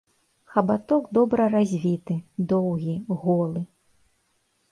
Хабаток добра развіты, доўгі, голы.